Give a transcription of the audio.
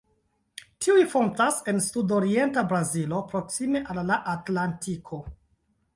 Tiuj fontas en sudorienta Brazilo, proksime al la Atlantiko.